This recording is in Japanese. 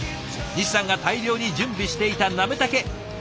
西さんが大量に準備していたなめたけ。